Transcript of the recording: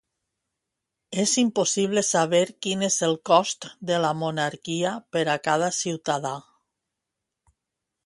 És impossible saber quin és el cost de la monarquia per a cada ciutadà